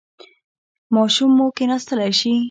ماشوم مو کیناستلی شي؟